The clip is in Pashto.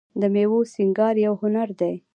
د میوو سینګار یو هنر دی.